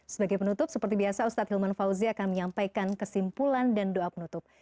sebagai penutup seperti biasa ustadz hilman fauzi akan menyampaikan kesimpulan dan doa penutup